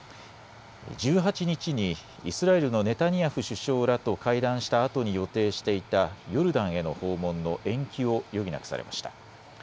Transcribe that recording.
１８日にイスラエルのネタニヤフ首相らと会談したあとに予定していたヨルダンへの訪問の延期を余儀なくされました。